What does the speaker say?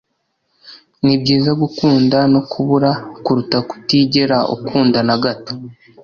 nibyiza gukunda no kubura kuruta kutigera ukunda na gato